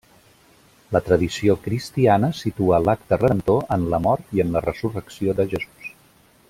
La tradició cristiana situa l'acte redemptor en la mort i en la resurrecció de Jesús.